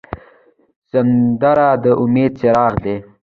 سندره د امید څراغ دی